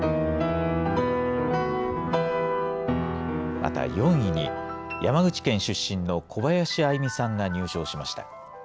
また４位に山口県出身の小林愛実さんが入賞しました。